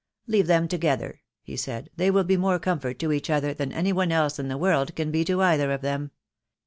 "Leave them together," he said. "They will be more comfort to each other than anyone else in the world can be to either of them.